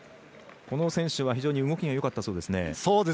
この選手は非常に動きがよかったそうですね。